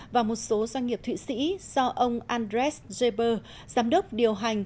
và một số doanh nghiệp thụy sĩ do ông andres jber giám đốc điều hành